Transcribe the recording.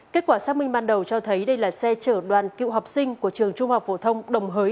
kết quả xác minh ban đầu cho thấy đây là xe chở đoàn cựu học sinh của trường trung học phổ thông đồng hới